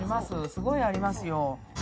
すごいありますよ。